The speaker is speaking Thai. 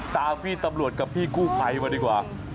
ตามพี่ตำรวจกับพี่กู้ภัยมาดีกว่า